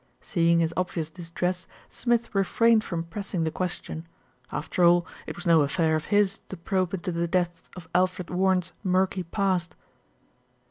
Seeing his obvious distress, Smith refrained from pressing the question. After all, it was no affair of his to probe into the depths of Alfred Warren's murky past.